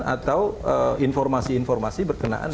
atau informasi informasi berkenaan